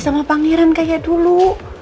sama pangeran kayak dulu